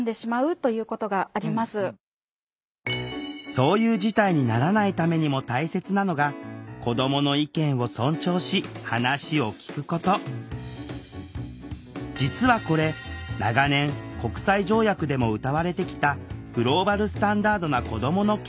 そういう事態にならないためにも大切なのが実はこれ長年国際条約でもうたわれてきたグローバルスタンダードな子どもの権利。